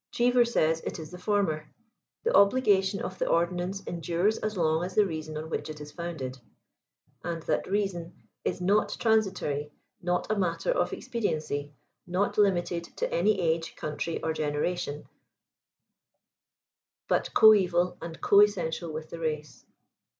Cheever says it is the former. " The obligation of the ordinance endures as long as the reason on which it is found ed ;" and that reason " is not transitory, not a matter of expe diency, not limited to any age, country, or generation, but 135 co eval and co essential with the race."